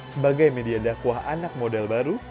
sebagai media dakwah anak model baru